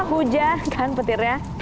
hujan kan petirnya